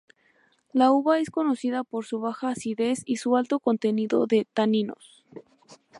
La uva es conocida por su baja acidez y su alto contenido de taninos.